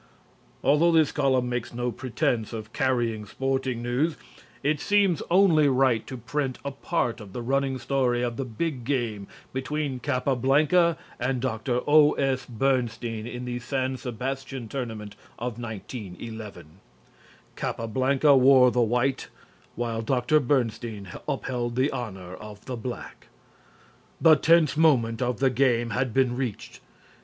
Although this column makes no pretense of carrying sporting news, it seems only right to print a part of the running story of the big game between Capablanca and Dr. O.S. Bernstein in the San Sebastian tournament of 1911. Capablanca wore the white, while Dr. Bernstein upheld the honor of the black. The tense moment of the game had been reached.